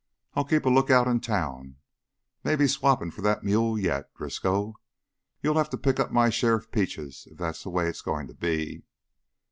"I'll keep a lookout in town. May be swappin' for that mule yet, Driscoll. You'll have to pick up my share of peaches if that's the way it's goin' to be."